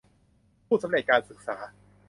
ผู้สำเร็จการศึกษา